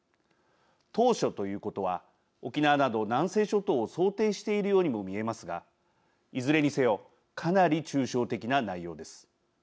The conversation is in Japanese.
島しょということは沖縄など南西諸島を想定しているようにも見えますがいずれにせよかなり抽象的な内容です。